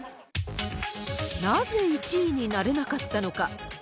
なぜ１位になれなかったのか。